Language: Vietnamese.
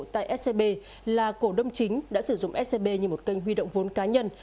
tại scb là cổ đâm chính đã sử dụng scb như một kênh huy động vốn cá nhân